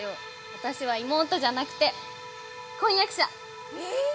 私は妹じゃなくて婚約者。